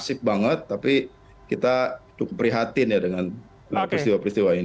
masif banget tapi kita cukup prihatin ya dengan peristiwa peristiwa ini